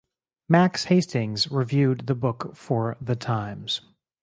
Max Hastings reviewed the book for "The Times".